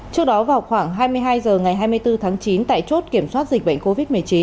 trước đó vào khoảng hai mươi hai h ngày hai mươi bốn tháng chín tại chốt kiểm soát dịch bệnh covid một mươi chín